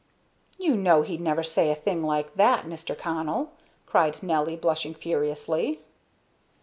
"You know he'd never say a thing like that, Mr. Connell," cried Nelly, blushing furiously.